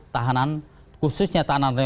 tahanan khususnya tahanan